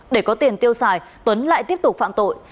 để có tiền tiêu xài tuấn lại tiếp tục phạm tội